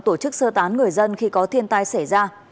tổ chức sơ tán người dân khi có thiên tai xảy ra